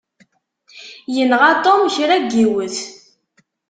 Yenɣa Tom kra n yiwet.